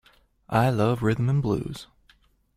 I love rhythm and blues!